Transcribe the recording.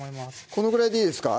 このぐらいでいいですか？